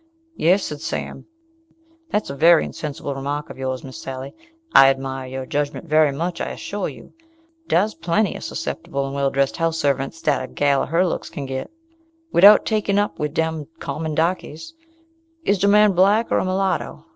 "Yes," said Sam, "dat's a wery insensible remark of yours, Miss Sally. I admire your judgment wery much, I assure you. Dah's plenty of suspectible and well dressed house servants dat a gal of her looks can get, wid out taken up wid dem common darkies." "Is de man black or a mulatto?"